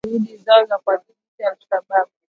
katika juhudi zao za kuwadhibiti al Shabaab